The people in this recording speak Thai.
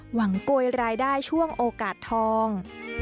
โกยรายได้ช่วงโอกาสทอง